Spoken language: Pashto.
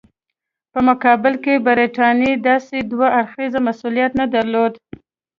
په مقابل کې برټانیې داسې دوه اړخیز مسولیت نه درلود.